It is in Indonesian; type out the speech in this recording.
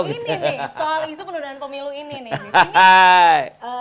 soal isu pendudukan pemilu ini nih